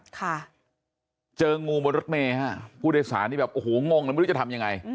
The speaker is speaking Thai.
ค่ะเจองูบนรถเมย์ฮะผู้โดยสารนี่แบบโอ้โหงงเลยไม่รู้จะทำยังไง